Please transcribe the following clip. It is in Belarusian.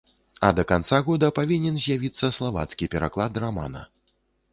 А да канца года павінен з'явіцца славацкі пераклад рамана.